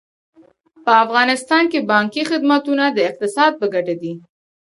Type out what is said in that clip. په افغانستان کې بانکي خدمتونه د اقتصاد په ګټه دي.